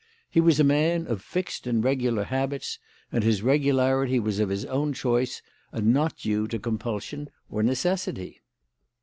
He was a man of fixed and regular habits, and his regularity was of his own choice and not due to compulsion or necessity.